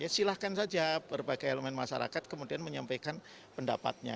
silahkan saja berbagai elemen masyarakat kemudian menyampaikan pendapatnya